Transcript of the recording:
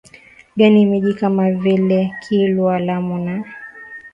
gani miji kama vile Kilwa Lamu na